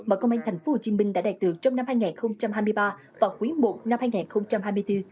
mà công an tp hcm đã đạt được trong năm hai nghìn hai mươi ba và quý i năm hai nghìn hai mươi bốn